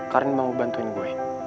karin mau bantuin gue